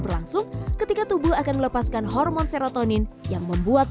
berlangsung ketika tubuh akan melepaskan hormon serotonin yang membuat